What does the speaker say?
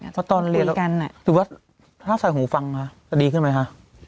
เพราะตอนเรียนแล้วคุยกันอ่ะถือว่าถ้าใส่หูฟังค่ะจะดีขึ้นไหมค่ะ